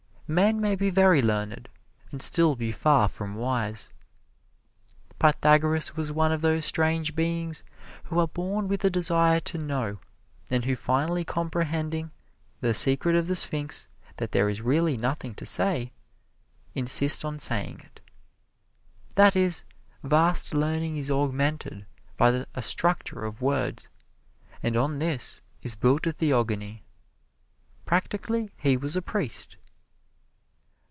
Men may be very learned, and still be far from wise. Pythagoras was one of those strange beings who are born with a desire to know, and who finally comprehending the secret of the Sphinx, that there is really nothing to say, insist on saying it. That is, vast learning is augmented by a structure of words, and on this is built a theogony. Practically he was a priest.